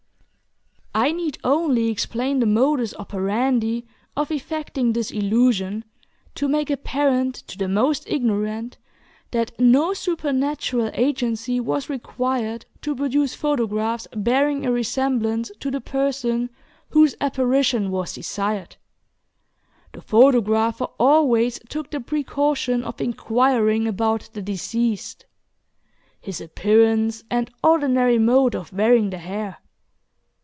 I need only explain the modus operandi of effecting this illusion, to make apparent to the most ignorant that no supernatural agency was required to produce photographs bearing a resemblance to the persons whose "apparition" was desired. The photographer always took the precaution of inquiring about the deceased, his appearance and ordinary mode of wearing the hair.